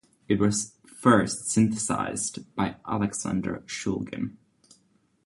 It was first synthesized by Alexander Shulgin.